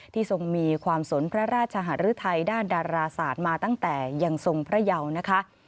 ทรงมีความสนพระราชหารือไทยด้านดาราศาสตร์มาตั้งแต่ยังทรงพระเยานะคะ